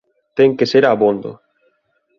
Ten que ser abondo".